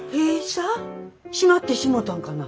閉まってしもうたんかな。